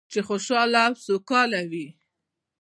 چې خوشحاله او سوکاله وي.